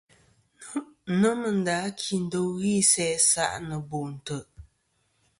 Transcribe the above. Nomɨ nda a kindo ghɨ isæ isa' nɨ bo ntè'.